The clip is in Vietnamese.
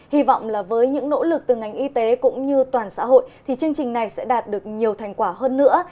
hy vọng là với những nỗ lực từ ngành y tế cũng như toàn xã hội thì chương trình này sẽ đạt được nhiều thành quả hơn nữa